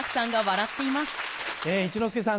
一之輔さん